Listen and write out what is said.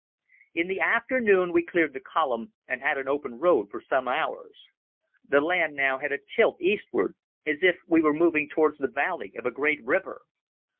In the afternoon we cleared the column and had an open road for some hours. The land now had a tilt eastward, as if we were moving towards the valley of a great river.